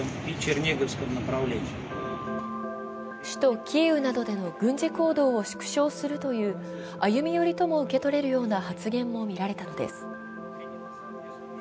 首都キーウなどでの軍事行動を縮小するという歩み寄りとも受け取れるような発言もみられたのです。